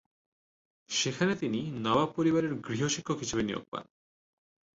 সেখানে তিনি নবাব পরিবারের গৃহ-শিক্ষক হিসেবে নিয়োগ পান।